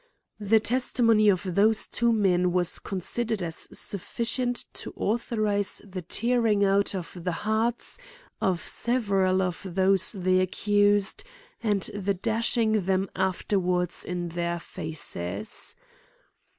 The testimony of those two men was considered as sufficient to au thorise the tearing out of the hearts of several oF those they accused and the dashing them after wards in their faces.